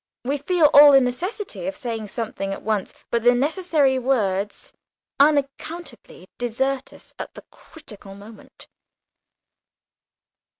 We feel all the necessity of saying something at once, but the necessary words unaccountably desert us at the critical moment.